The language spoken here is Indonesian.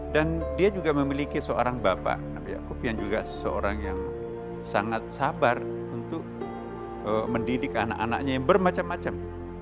dan dia juga memiliki seorang bapak nabi yusuf yang juga seorang yang sangat sabar untuk mendidik anak anaknya yang bermacam macam